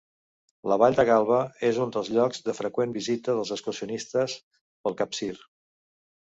La vall de Galba és un dels llocs de freqüent visita dels excursionistes pel Capcir.